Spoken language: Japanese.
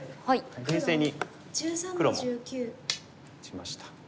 冷静に黒も打ちました。